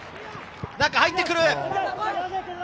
中に入ってくる。